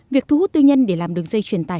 việc thu hút tư nhân để làm đường dây truyền tài